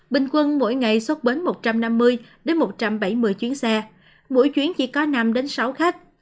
bình quân mỗi ngày xuất bến một trăm năm mươi một trăm bảy mươi chuyến xe mỗi chuyến chỉ có năm đến sáu khách